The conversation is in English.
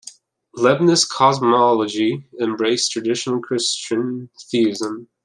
Leibniz's cosmology embraced traditional Christian Theism.